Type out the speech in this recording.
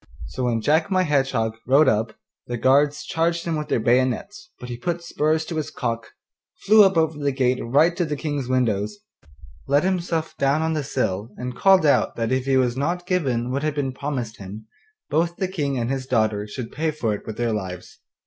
So when Jack my Hedgehog rode up the guards charged him with their bayonets, but he put spurs to his cock, flew up over the gate right to the King's windows, let himself down on the sill, and called out that if he was not given what had been promised him, both the King and his daughter should pay for it with their lives.